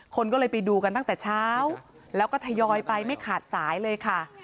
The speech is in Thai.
คนก็เลยไปดูกันตั้งแต่เช้าแล้วก็ทยอยไปไม่ขาดสายเลยค่ะ